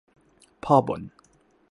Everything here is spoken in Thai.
พ่อบ่น